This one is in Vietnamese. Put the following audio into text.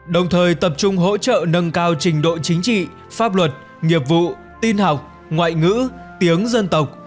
đồng thời tập trung hỗ trợ nâng cao trình độ chính trị pháp luật nghiệp vụ tin học ngoại ngữ tiếng dân tộc